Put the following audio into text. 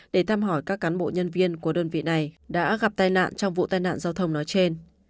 để tham hỏi các cán bộ nhân viên của đơn vị này đã gặp tài nạn trong vụ tài nạn giao thông nói trên